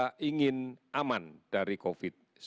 dan ini prasarat utama kalau kita